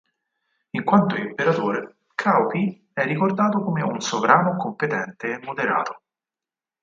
In quanto imperatore, Cao Pi è ricordato come un sovrano competente e moderato.